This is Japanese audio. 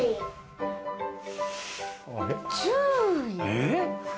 えっ？